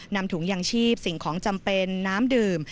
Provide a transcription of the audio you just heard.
นำถุงยางชีพสิ่งของจำเป็นน้ำดื่ม